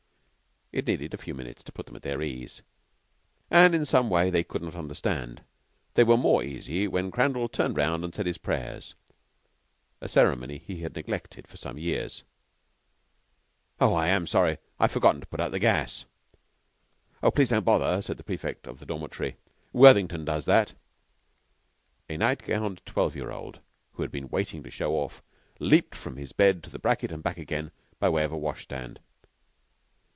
It needed a few minutes to put them at their ease; and, in some way they could not understand, they were more easy when Crandall turned round and said his prayers a ceremony he had neglected for some years. "Oh, I am sorry. I've forgotten to put out the gas." "Please don't bother," said the prefect of the dormitory. "Worthington does that." A nightgowned twelve year old, who had been waiting to show off, leaped from his bed to the bracket and back again, by way of a washstand.